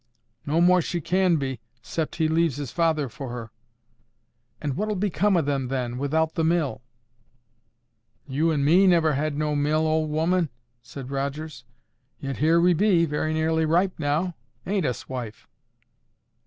"No more she can be, 'cept he leaves his father for her." "And what'll become of them then, without the mill?" "You and me never had no mill, old 'oman," said Rogers; "yet here we be, very nearly ripe now,—ain't us, wife?"